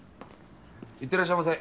いってらっしゃいませ。